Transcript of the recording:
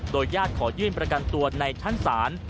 ญาติขอยื่นประกันตัวในชั้นศาล